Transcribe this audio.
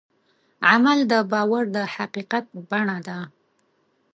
عمل د باور د حقیقت بڼه ده.